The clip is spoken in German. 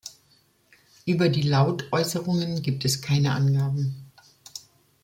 Über die Lautäußerungen gibt es keine Angaben.